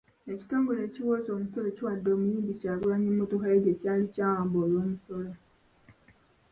Ekitongole ekiwooza omusolo kiwadde omuyimbi Kyagulanyi emmotoka ye gye kyali kyawamba olw’omusolo.